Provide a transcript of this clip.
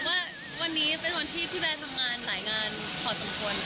นอกจากว่าวันนี้เป็นวันที่พี่แบบทำงานหลายงานปศัมทวน